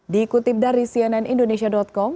dikutip dari cnnindonesia com